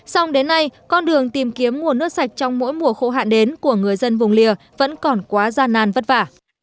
hôm nay con đường tìm kiếm nguồn nước sạch trong mỗi mùa khổ hạn đến của người dân vùng lìa vẫn còn quá gian nan vất vả